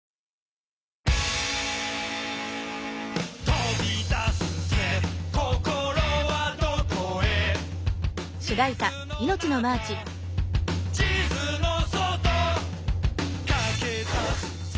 「飛び出すぜ心はどこへ」「水の中地図の外」「駆け出すぜ」